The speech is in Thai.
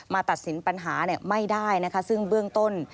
ตัดสินปัญหาไม่ได้นะคะซึ่งเบื้องต้น